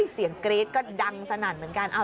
เสียงกรี๊ดก็ดังสนั่นเหมือนกัน